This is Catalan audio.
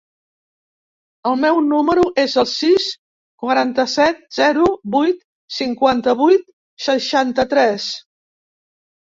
El meu número es el sis, quaranta-set, zero, vuit, cinquanta-vuit, seixanta-tres.